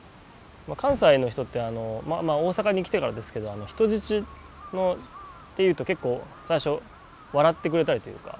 関西の人って大阪に来てからですけど人質って言うと結構最初笑ってくれたりというか。